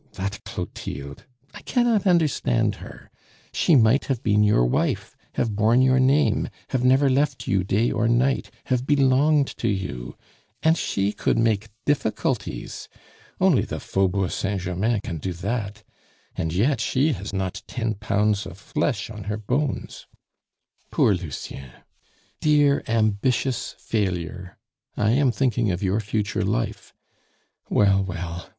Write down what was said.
that Clotilde! I cannot understand her. She might have been your wife, have borne your name, have never left you day or night, have belonged to you and she could make difficulties! Only the Faubourg Saint Germain can do that! and yet she has not ten pounds of flesh on her bones! "Poor Lucien! Dear ambitious failure! I am thinking of your future life. Well, well!